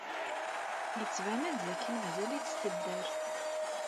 Yettban-d dakken mazal-itt tedder.